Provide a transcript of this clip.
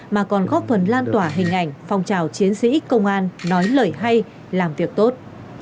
mà còn góp phần lan tỏa hình ảnh phong trào chiến sĩ công an nói lời hay làm việc tốt